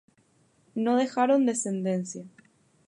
No dejaron descendencia.